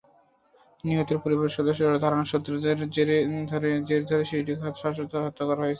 নিহতের পরিবারের সদস্যদের ধারণা, শত্রুতার জের ধরে শিশুটিকে শ্বাসরোধে হত্যা করা হয়েছে।